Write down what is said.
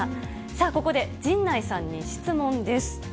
さあ、ここで陣内さんに質問です。